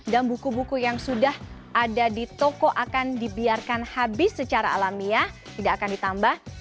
dan buku buku yang sudah ada di toko akan dibiarkan habis secara alamiah tidak akan ditambah